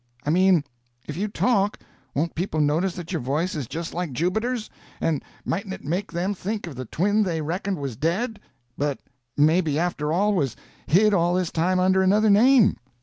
I mean, if you talk, won't people notice that your voice is just like Jubiter's; and mightn't it make them think of the twin they reckoned was dead, but maybe after all was hid all this time under another name?"